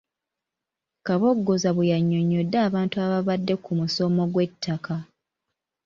Kaboggoza bwe yannyonnyodde abantu abaabadde ku musomo gw'ettaka.